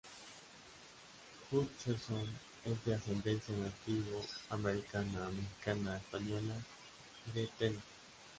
Hutcherson es de ascendencia nativo-americana, mexicana, española y de Tennesse.